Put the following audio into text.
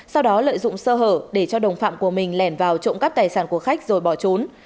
sau đó lợi dụng sơ hở để cho đồng phạm của mình lẻn vào trộm cắp tài sản của khách rồi bỏ trốn